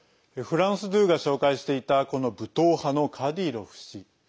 フランス２が紹介していたこの武闘派のカディロフ氏。